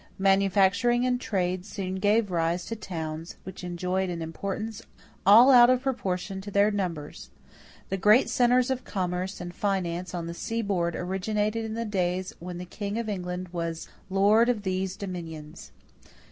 Manufacturing and trade soon gave rise to towns which enjoyed an importance all out of proportion to their numbers. The great centers of commerce and finance on the seaboard originated in the days when the king of England was "lord of these dominions."